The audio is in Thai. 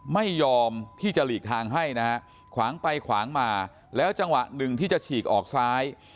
ไม่ยอมที่จะหลีกทางให้นะฮะขวางไปขวางมาแล้วจังหวะหนึ่งที่จะฉีกออกซ้าย